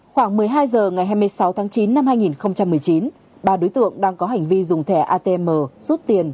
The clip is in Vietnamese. khoảng một mươi hai h ngày hai mươi sáu tháng chín năm hai nghìn một mươi chín ba đối tượng đang có hành vi dùng thẻ atm rút tiền